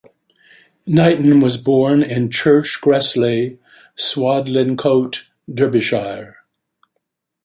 Knighton was born in Church Gresley, Swadlincote, Derbyshire.